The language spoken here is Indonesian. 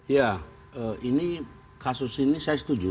ya ini kasus ini saya setuju